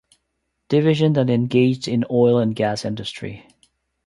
Division that engaged in oil and gas industry.